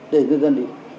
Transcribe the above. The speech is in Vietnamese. để người dân đi